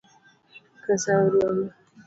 Pesa orumo.